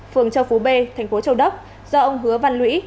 phường châu phú b thành phố châu đốc do ông hứa văn lũy